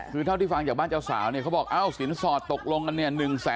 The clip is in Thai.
คือเท่าที่ฟังจากบ้านเจ้าสาวเนี่ยเขาบอกเอ้าสินสอดตกลงกันเนี่ย